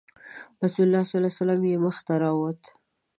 رسول الله صلی الله علیه وسلم یې مخې ته راووت.